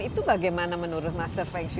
itu bagaimana menurut master feng shui